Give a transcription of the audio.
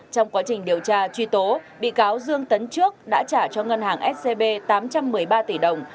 trong quá trình điều tra truy tố bị cáo dương tấn trước đã trả cho ngân hàng scb tám trăm một mươi ba tỷ đồng